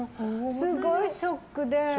すごいショックで。